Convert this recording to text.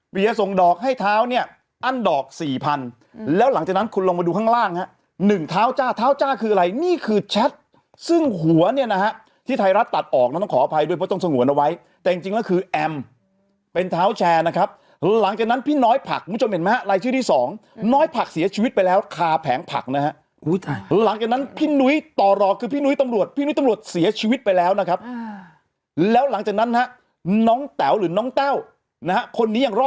เปียส่งดอกให้เท้าเนี่ยอั้นดอกสี่พันแล้วหลังจากนั้นคุณลงมาดูข้างล่างฮะหนึ่งเท้าจ้าเท้าจ้าคืออะไรนี่คือแชทซึ่งหัวเนี่ยนะฮะที่ไทยรัฐตัดออกต้องขออภัยด้วยเพราะต้องสงวนเอาไว้แต่จริงแล้วคือแอมเป็นเท้าแชร์นะครับหลังจากนั้นพี่น้อยผักมุมชมเห็นมั้ยฮะลายชื่อที่สองน้อยผั